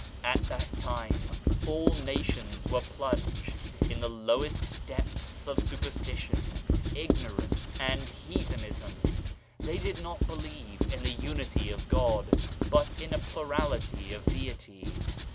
At that time all nations were plunged in the lowest depths of superstition, ignorance, and heathenism. They did not believe in the Unity of God, but in a plurality of deities.